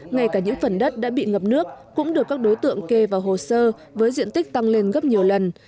ngay cả những phần đất đã bị ngập nước cũng được các đối tượng kê vào hồ sơ với diện tích tăng lên gấp nhiều lần